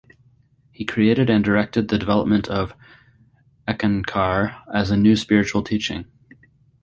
He created and directed the development of Eckankar as a new spiritual teaching.